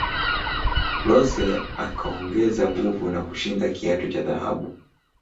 klose akaongeza nguvu na kushinda kiatu cha dhahabu